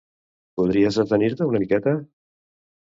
Podries detenir-te una miqueta?